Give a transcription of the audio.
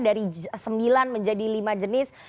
dari sembilan menjadi lima jenis